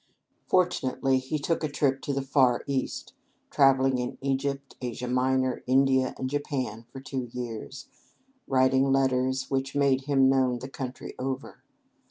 Fortunately he took a trip to the Far East, travelling in Egypt, Asia Minor, India, and Japan for two years, writing letters which made him known the country over.